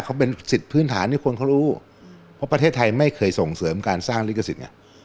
เขาเป็นสิทธิ์พื้นฐานที่คนเขารู้เพราะประเทศไทยไม่เคยส่งเสริมการสร้างลิขสิทธิ์